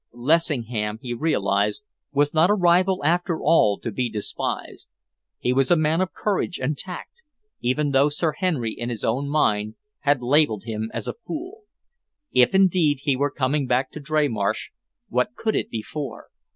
Lessingham, he realised, was not a rival, after all, to be despised. He was a man of courage and tact, even though Sir Henry, in his own mind, had labelled him as a fool. If indeed he were coming back to Dreymarsh, what could it be for?